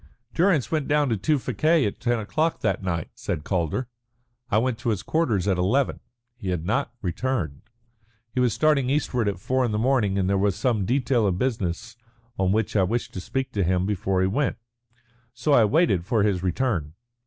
"Durrance went down to Tewfikieh at ten o'clock that night," said Calder. "I went to his quarters at eleven. He had not returned. He was starting eastward at four in the morning, and there was some detail of business on which I wished to speak to him before he went. So I waited for his return.